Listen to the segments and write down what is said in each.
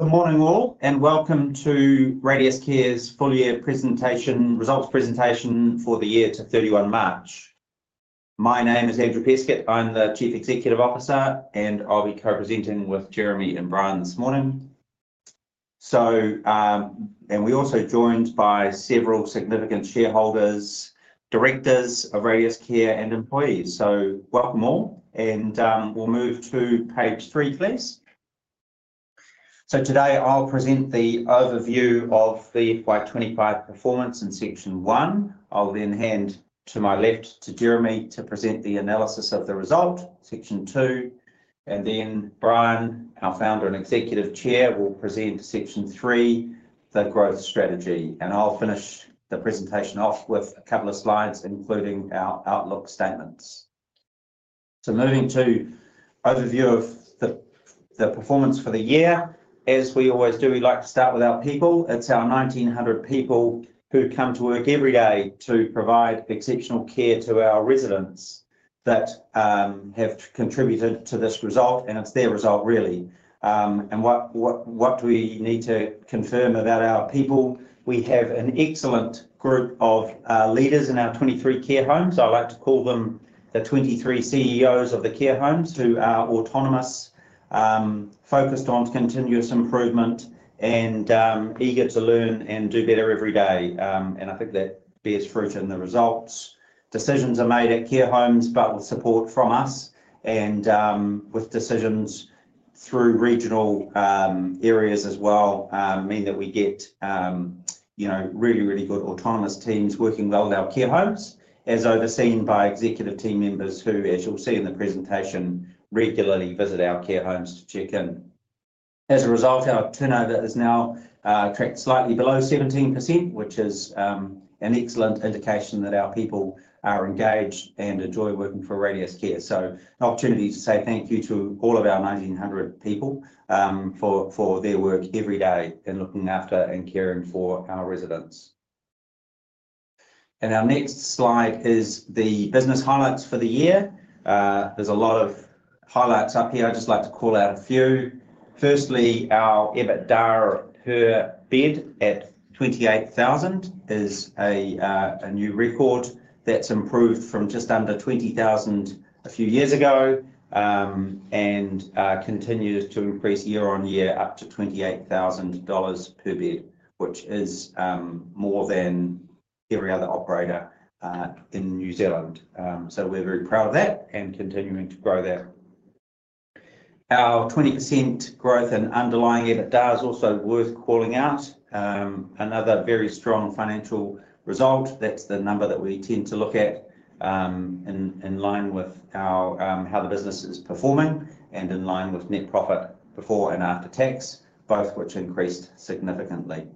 Good morning, all, and welcome to Radius Care's Full-Year Results Presentation for the year to 31 March. My name is Andrew Peskett. I'm the Chief Executive Officer, and I'll be co-presenting with Jeremy and Brien this morning. We are also joined by several significant shareholders, directors of Radius Care, and employees. Welcome, all, and we will move to page three, please. Today I will present the overview of the FY 2025 performance in Section 1. I will then hand to my left, to Jeremy, to present the analysis of the result, Section 2. Brien, our founder and Executive Chair, will present Section 3, the growth strategy. I will finish the presentation off with a couple of slides, including our outlook statements. Moving to overview of the performance for the year, as we always do, we like to start with our people. It's our 1,900 people who come to work every day to provide exceptional care to our residents that have contributed to this result, and it's their result, really. What do we need to confirm about our people? We have an excellent group of leaders in our 23 care homes. I like to call them the 23 CEOs of the care homes who are autonomous, focused on continuous improvement, and eager to learn and do better every day. I think that bears fruit in the results. Decisions are made at care homes, but with support from us and with decisions through regional areas as well mean that we get really, really good autonomous teams working well with our care homes, as overseen by executive team members who, as you'll see in the presentation, regularly visit our care homes to check in. As a result, our turnover has now tracked slightly below 17%, which is an excellent indication that our people are engaged and enjoy working for Radius Care. An opportunity to say thank you to all of our 1,900 people for their work every day in looking after and caring for our residents. Our next slide is the business highlights for the year. There is a lot of highlights up here. I would just like to call out a few. Firstly, our EBITDA per bed at $28,000 is a new record that has improved from just under $20,000 a few years ago and continues to increase year on year up to $28,000 per bed, which is more than every other operator in New Zealand. We are very proud of that and continuing to grow that. Our 20% growth in underlying EBITDA is also worth calling out. Another very strong financial result. That's the number that we tend to look at in line with how the business is performing and in line with net profit before and after tax, both which increased significantly.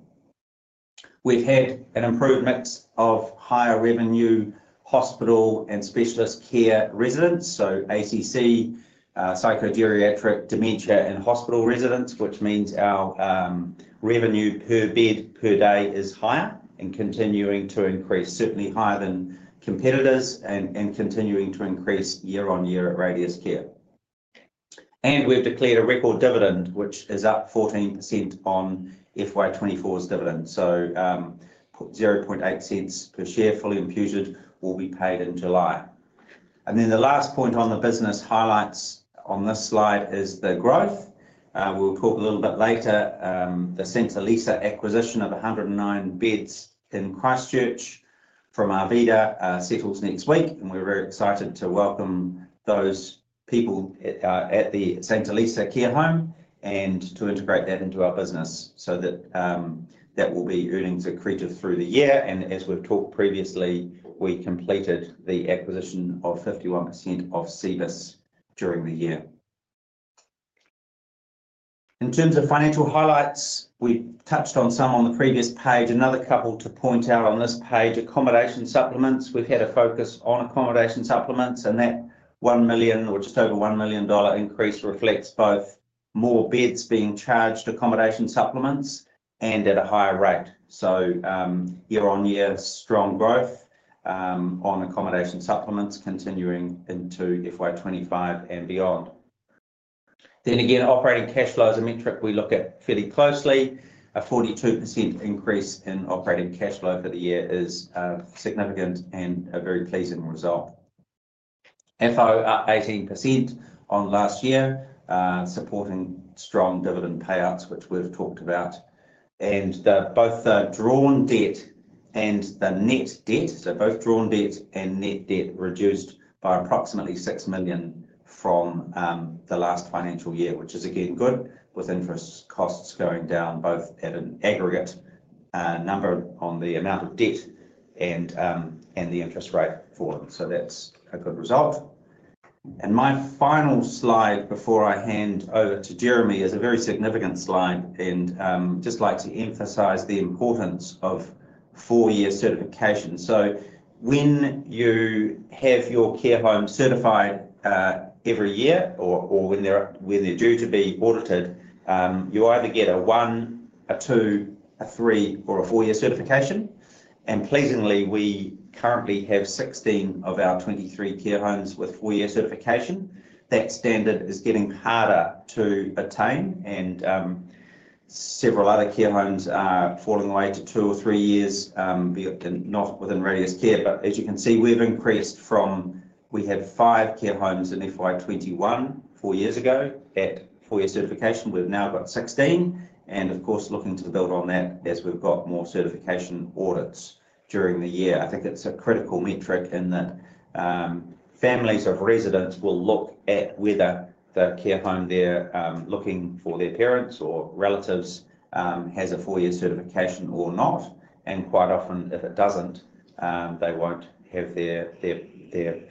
We've had an improved mix of higher revenue hospital and specialist care residents, so ACC, psychogeriatric, dementia, and hospital residents, which means our revenue per bed per day is higher and continuing to increase, certainly higher than competitors and continuing to increase year on year at Radius Care. We've declared a record dividend, which is up 14% on FY 2024's dividend. $0.008 per share fully imputed will be paid in July. The last point on the business highlights on this slide is the growth. We'll talk a little bit later. The St. Allisa acquisition of 109 beds in Christchurch from Arvida settles next week, and we're very excited to welcome those people at the St. Allisa care home and to integrate that into our business so that that will be earnings accretive through the year. As we've talked previously, we completed the acquisition of 51% of Cibus during the year. In terms of financial highlights, we've touched on some on the previous page. Another couple to point out on this page, accommodation supplements. We've had a focus on accommodation supplements, and that $1 million or just over $1 million increase reflects both more beds being charged to accommodation supplements and at a higher rate. Year on year, strong growth on accommodation supplements continuing into FY 2025 and beyond. Operating cash flow is a metric we look at fairly closely. A 42% increase in operating cash flow for the year is significant and a very pleasing result. FO up 18% on last year, supporting strong dividend payouts, which we've talked about. Both the drawn debt and the net debt, so both drawn debt and net debt reduced by approximately $6 million from the last financial year, which is again good, with interest costs going down both at an aggregate number on the amount of debt and the interest rate falling. That is a good result. My final slide before I hand over to Jeremy is a very significant slide, and I would just like to emphasize the importance of four-year certification. When you have your care home certified every year or when they are due to be audited, you either get a one, a two, a three, or a four-year certification. Pleasingly, we currently have 16 of our 23 care homes with four-year certification. That standard is getting harder to attain, and several other care homes are falling away to two or three years within Radius Care. As you can see, we've increased from we had five care homes in FY 2021 four years ago at four-year certification. We've now got 16. Of course, looking to build on that as we've got more certification audits during the year. I think it's a critical metric in that families of residents will look at whether the care home they're looking for, their parents or relatives, has a four-year certification or not. Quite often, if it doesn't, they won't have their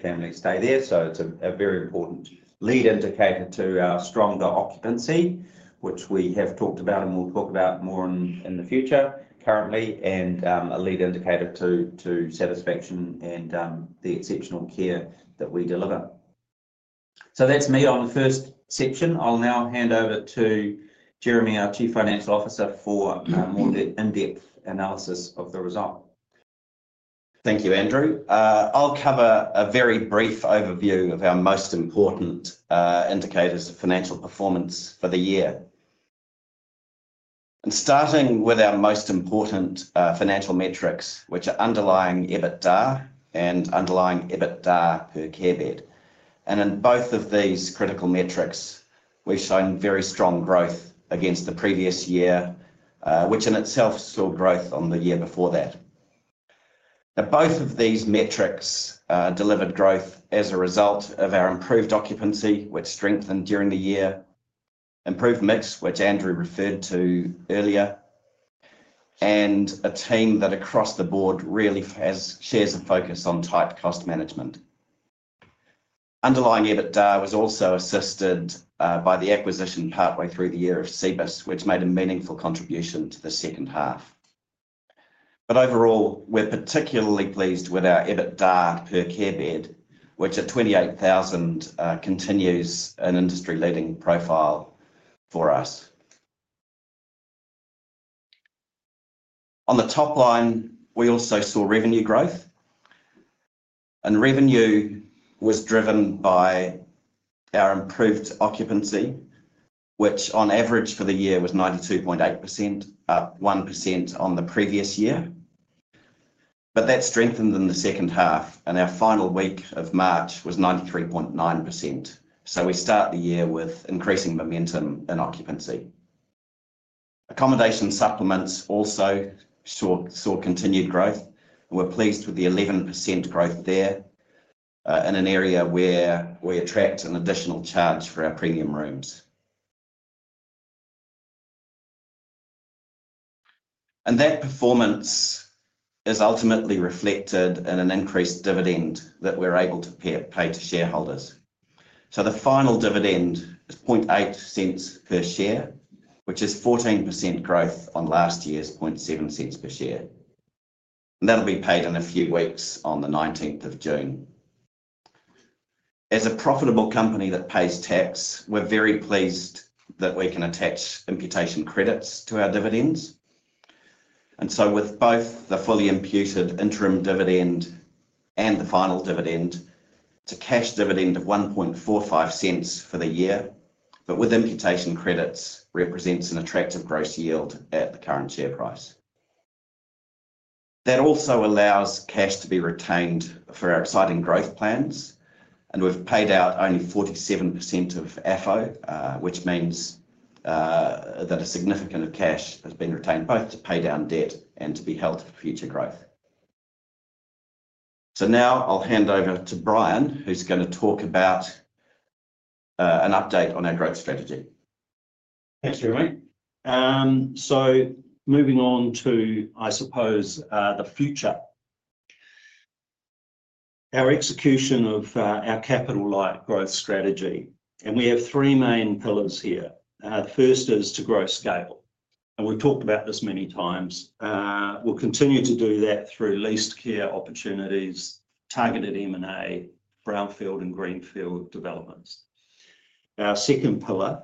family stay there. It's a very important lead indicator to our stronger occupancy, which we have talked about and we'll talk about more in the future currently, and a lead indicator to satisfaction and the exceptional care that we deliver. That's me on the first section. I'll now hand over to Jeremy, our Chief Financial Officer, for a more in-depth analysis of the result. Thank you, Andrew. I'll cover a very brief overview of our most important indicators of financial performance for the year. Starting with our most important financial metrics, which are underlying EBITDA and underlying EBITDA per care bed. In both of these critical metrics, we've shown very strong growth against the previous year, which in itself saw growth on the year before that. Now, both of these metrics delivered growth as a result of our improved occupancy, which strengthened during the year, improved MIPS, which Andrew referred to earlier, and a team that across the board really has shares of focus on tight cost management. Underlying EBITDA was also assisted by the acquisition partway through the year of Cibus, which made a meaningful contribution to the second half. Overall, we're particularly pleased with our EBITDA per care bed, which at $28,000 continues an industry-leading profile for us. On the top line, we also saw revenue growth. Revenue was driven by our improved occupancy, which on average for the year was 92.8%, up 1% on the previous year. That strengthened in the second half, and our final week of March was 93.9%. We start the year with increasing momentum in occupancy. Accommodation supplements also saw continued growth. We're pleased with the 11% growth there in an area where we attract an additional charge for our premium rooms. That performance is ultimately reflected in an increased dividend that we're able to pay to shareholders. The final dividend is $0.008 per share, which is 14% growth on last year's $0.007 per share. That'll be paid in a few weeks on the 19th of June. As a profitable company that pays tax, we're very pleased that we can attach imputation credits to our dividends. With both the fully imputed interim dividend and the final dividend, it's a cash dividend of $0.0145 for the year, but with imputation credits, it represents an attractive gross yield at the current share price. That also allows cash to be retained for our exciting growth plans. We've paid out only 47% of FO, which means that a significant amount of cash has been retained both to pay down debt and to be held for future growth. I'll hand over to Brien, who's going to talk about an update on our growth strategy. Thanks, Jeremy. Moving on to, I suppose, the future. Our execution of our capital-light growth strategy, we have three main pillars here. The first is to grow scale. We've talked about this many times. We'll continue to do that through leased care opportunities, targeted M&A, brownfield and greenfield developments. Our second pillar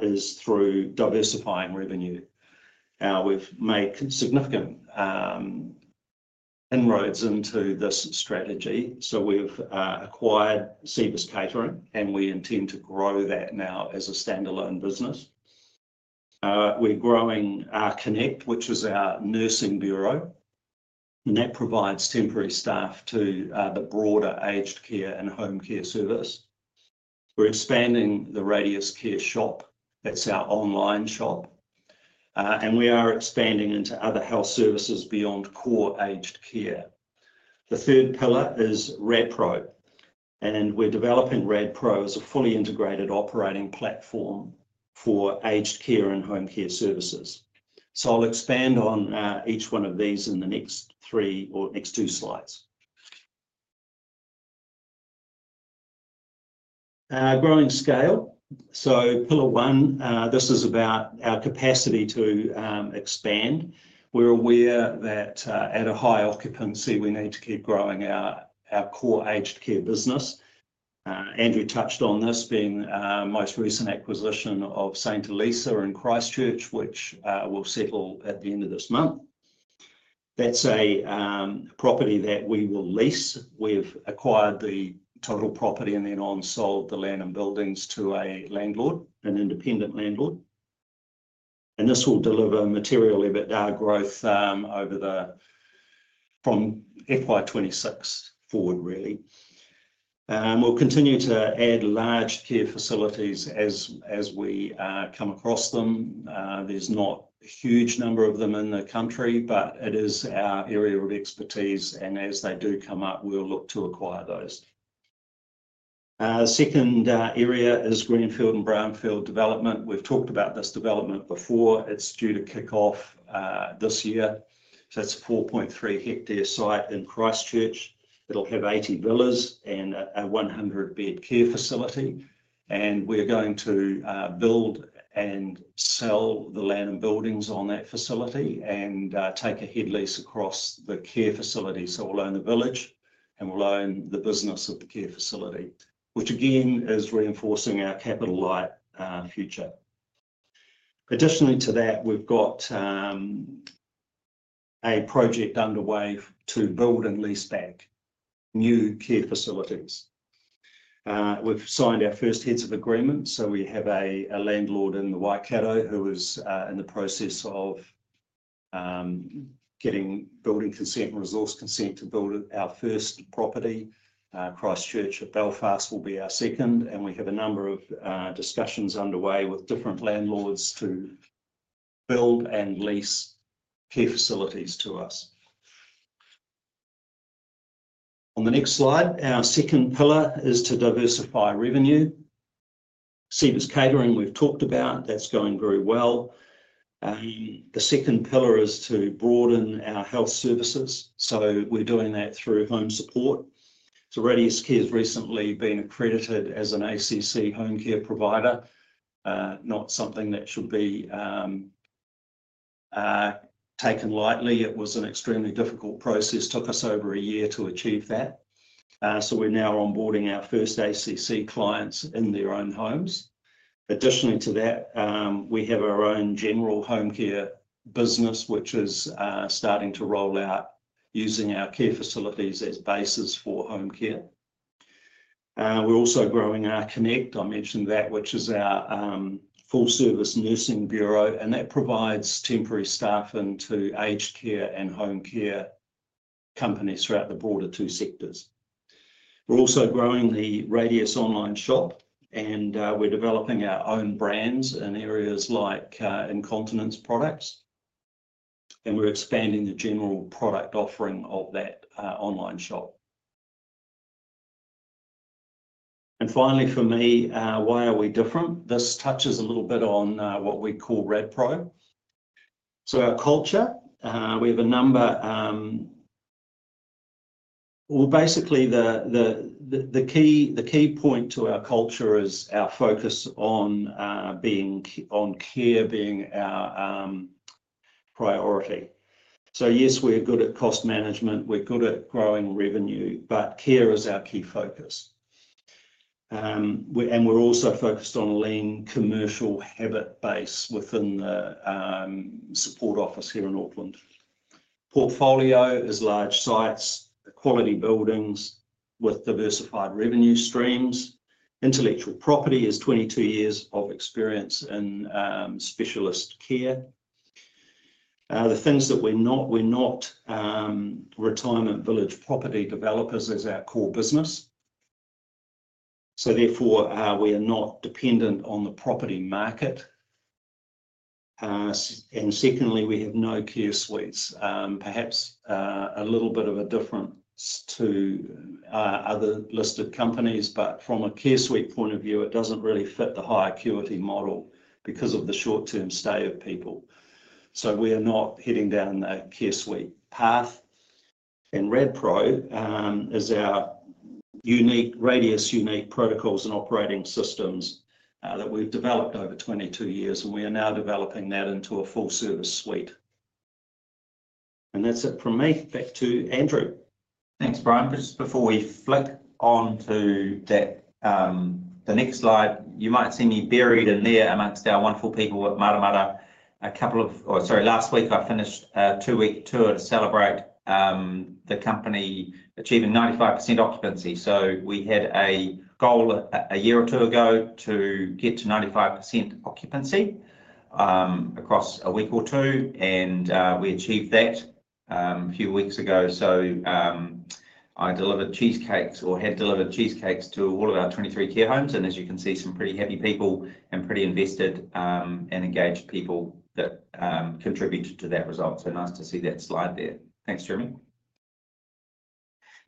is through diversifying revenue. We've made significant inroads into this strategy. We've acquired Cibus Catering, and we intend to grow that now as a standalone business. We're growing RConnect, which is our nursing bureau, and that provides temporary staff to the broader aged care and home care service. We're expanding the Radius Care Shop. That's our online shop. We are expanding into other health services beyond core aged care. The third pillar is RadPro. We're developing RadPro as a fully integrated operating platform for aged care and home care services. I'll expand on each one of these in the next three or next two slides. Growing scale. Pillar one, this is about our capacity to expand. We're aware that at a high occupancy, we need to keep growing our core aged care business. Andrew touched on this being the most recent acquisition of St. Allisa in Christchurch, which will settle at the end of this month. That's a property that we will lease. We've acquired the total property and then on-sold the land and buildings to an independent landlord. This will deliver material EBITDA growth from FY 2026 forward, really. We'll continue to add large care facilities as we come across them. There's not a huge number of them in the country, but it is our area of expertise. As they do come up, we'll look to acquire those. The second area is greenfield and brownfield development. We've talked about this development before. It's due to kick off this year. It is a 4.3-hectare site in Christchurch. It'll have 80 villas and a 100-bed care facility. We're going to build and sell the land and buildings on that facility and take a head lease across the care facility. We'll own the village and we'll own the business of the care facility, which again is reinforcing our capital-light future. Additionally to that, we've got a project underway to build and lease back new care facilities. We've signed our first heads of agreement. We have a landlord in the Waikato who is in the process of getting building consent and resource consent to build our first property. Christchurch at Belfast will be our second. We have a number of discussions underway with different landlords to build and lease care facilities to us. On the next slide, our second pillar is to diversify revenue. Cibus Catering, we've talked about. That's going very well. The second pillar is to broaden our health services. We're doing that through home support. Radius Care has recently been accredited as an ACC home care provider, not something that should be taken lightly. It was an extremely difficult process. Took us over a year to achieve that. We're now onboarding our first ACC clients in their own homes. Additionally to that, we have our own general home care business, which is starting to roll out using our care facilities as bases for home care. We're also growing RConnect. I mentioned that, which is our full-service nursing bureau. That provides temporary staffing to aged care and home care companies throughout the broader two sectors. We are also growing the Radius Care online shop, and we are developing our own brands in areas like incontinence products. We are expanding the general product offering of that online shop. Finally, for me, why are we different? This touches a little bit on what we call RadPro. Our culture, we have a number. Basically, the key point to our culture is our focus on care, being our priority. Yes, we are good at cost management. We are good at growing revenue, but care is our key focus. We are also focused on lean commercial habit base within the support office here in Auckland. Portfolio is large sites, quality buildings with diversified revenue streams. Intellectual property is 22 years of experience in specialist care. The things that we're not, we're not retirement village property developers as our core business. Therefore, we are not dependent on the property market. Secondly, we have no care suites. Perhaps a little bit of a difference to other listed companies, but from a care suite point of view, it doesn't really fit the high acuity model because of the short-term stay of people. We are not heading down a care suite path. RadPro is our Radius unique protocols and operating systems that we've developed over 22 years, and we are now developing that into a full-service suite. That's it from me. Back to Andrew. Thanks, Brien. Just before we flick on to the next slide, you might see me buried in there amongst our wonderful people at Mata Mata. A couple of—oh, sorry, last week I finished a tour to celebrate the company achieving 95% occupancy. We had a goal a year or two ago to get to 95% occupancy across a week or two, and we achieved that a few weeks ago. I delivered cheesecakes or had delivered cheesecakes to all of our 23 care homes. As you can see, some pretty happy people and pretty invested and engaged people that contributed to that result. Nice to see that slide there. Thanks, Jeremy.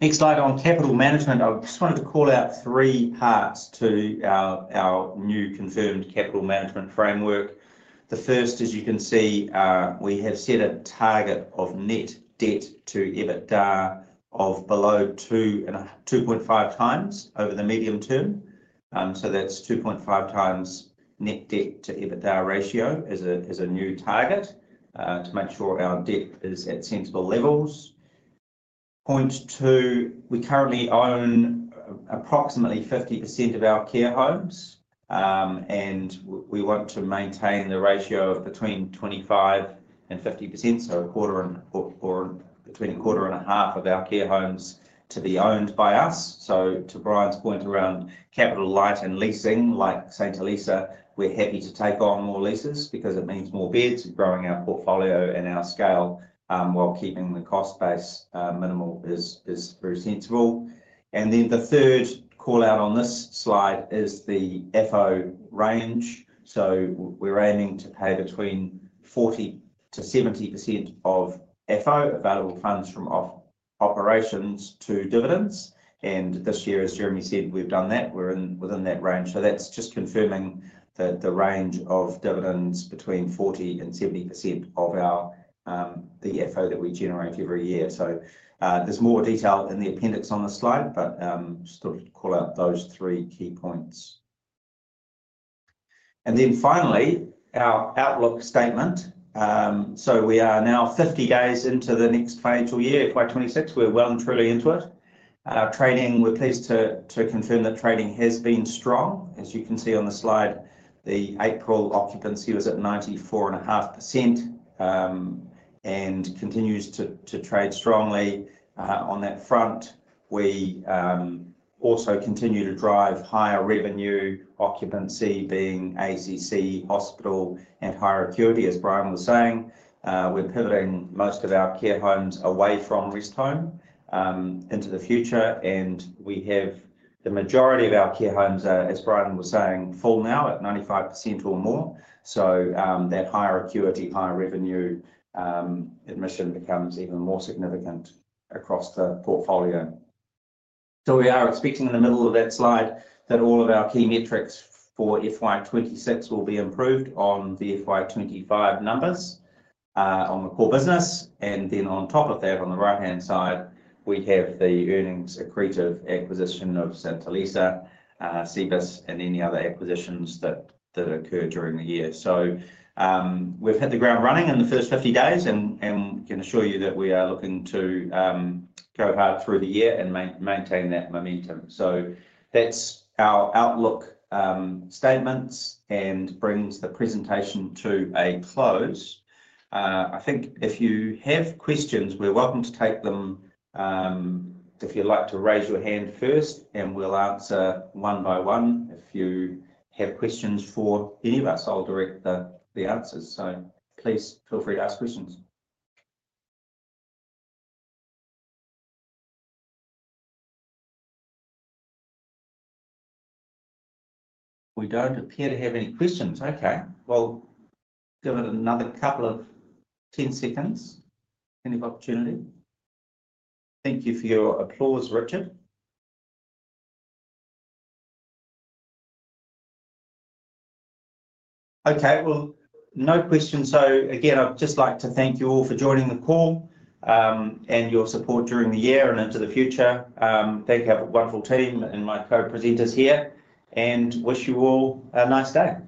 Next slide on capital management. I just wanted to call out three parts to our new confirmed capital management framework. The first, as you can see, we have set a target of net debt to EBITDA of below 2.5 times over the medium term. That is 2.5 times net debt to EBITDA ratio as a new target to make sure our debt is at sensible levels. Point two, we currently own approximately 50% of our care homes, and we want to maintain the ratio of between 25% and 50%, so between a quarter and a half of our care homes to be owned by us. To Brien's point around capital light and leasing, St. Allisa, we are happy to take on more leases because it means more beds. Growing our portfolio and our scale while keeping the cost base minimal is very sensible. The third callout on this slide is the FO range. We're aiming to pay between 40%-70% of FO, available funds from operations, to dividends. This year, as Jeremy said, we've done that. We're within that range. That's just confirming the range of dividends between 40% and 70% of the FO that we generate every year. There's more detail in the appendix on the slide, but just thought to call out those three key points. Finally, our outlook statement. We are now 50 days into the next financial year, FY 2026. We're well and truly into it. We're pleased to confirm that trading has been strong. As you can see on the slide, the April occupancy was at 94.5% and continues to trade strongly on that front. We also continue to drive higher revenue, occupancy being ACC, hospital, and higher acuity, as Brien was saying. We're pivoting most of our care homes away from rest home into the future. We have the majority of our care homes, as Brien was saying, full now at 95% or more. That higher acuity, higher revenue admission becomes even more significant across the portfolio. We are expecting in the middle of that slide that all of our key metrics for FY 2026 will be improved on the FY 2025 numbers on the core business. On top of that, on the right-hand side, we have the earnings accretive acquisition of St. Allisa, Cibus, and any other acquisitions that occur during the year. We've hit the ground running in the first 50 days, and we can assure you that we are looking to go hard through the year and maintain that momentum. That is our outlook statements and brings the presentation to a close. I think if you have questions, we're welcome to take them. If you'd like to raise your hand first, and we'll answer one by one. If you have questions for any of us, I'll direct the answers. So please feel free to ask questions. We don't appear to have any questions. Okay. Give it another couple of 10 seconds. Any opportunity? Thank you for your applause, [Richard]. Okay. No questions. Again, I'd just like to thank you all for joining the call and your support during the year and into the future. Thank you. Have a wonderful team and my co-presenters here, and wish you all a nice day. Thank you.